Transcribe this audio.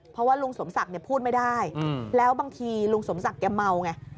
เพราะว่าลุงสมศักดิ์พูดไม่ได้แล้วบางทีลุงสมศักดิ์แกเมาไง